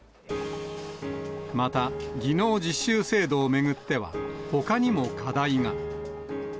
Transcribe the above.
また、技能実習制度を巡っては、ほかにも課題が。